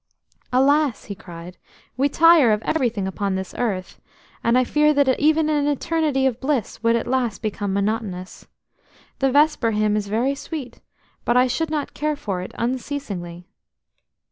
"Alas!" he cried, "we tire of everything upon this earth, and I fear that even an eternity of bliss would at last become monotonous. The vesper hymn is very sweet, but I should not care for it unceasingly."